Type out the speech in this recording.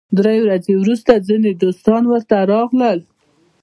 درې ورځې وروسته ځینې دوستان ورته راغلل.